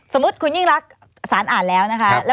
สมมุติคุณยิ่งรักสารอ่านแล้วนะคะ